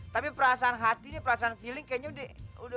tapi perasaan hati nih perasaan feeling kayaknya udah